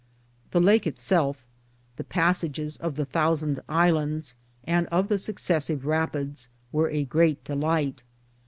The Lake itself, the passages of the thousand islands and of the successive rapids, were a great delight.